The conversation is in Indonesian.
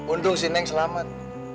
untung si neng selamat